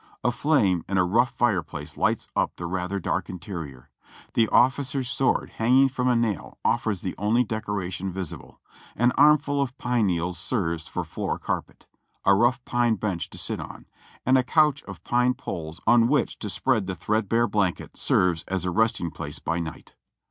A flame in a rough fire place lights up the rather dark interior; the officer's sword hang ing from a nail offers the only decoration visible ; an armiul of pine needles serves for floor carpet; a rough pine bench to sit on, and a couch of pine poles on which is spread a thread bare blanket serves for a resting place by night.